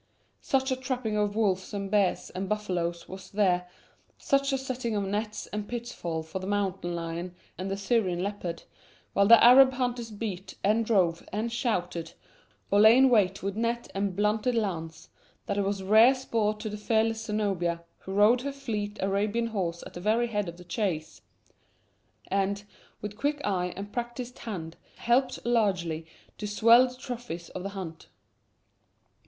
Such a trapping of wolves and bears and buffaloes was there, such a setting of nets and pitfalls for the mountain lion and the Syrian leopard, while the Arab hunters beat, and drove, and shouted, or lay in wait with net and blunted lance, that it was rare sport to the fearless Zenobia, who rode her fleet Arabian horse at the very head of the chase, and, with quick eye and practised hand, helped largely to swell the trophies of the hunt.